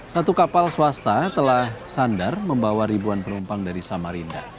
satu kapal swasta telah sandar membawa ribuan penumpang dari samarinda